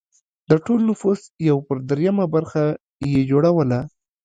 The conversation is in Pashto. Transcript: د ټول نفوس یو پر درېیمه برخه یې جوړوله